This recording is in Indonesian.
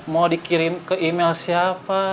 mau dikirim ke email siapa